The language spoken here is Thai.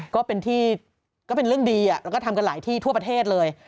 ก็เป็นเรื่องดีอ่ะแล้วก็ทำกันหลายที่ทั่วประเทศเลย